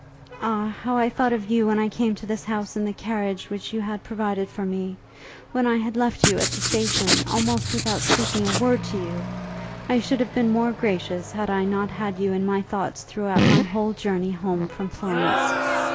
Ah, how I thought of you when I came to this house in the carriage which you had provided for me, when I had left you at the station almost without speaking a word to you! I should have been more gracious had I not had you in my thoughts throughout my whole journey home from Florence.